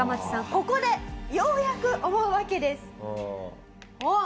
ここでようやく思うわけです。